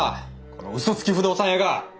この嘘つき不動産屋が！